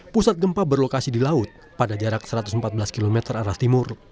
pusat gempa berlokasi di laut pada jarak satu ratus empat belas km arah timur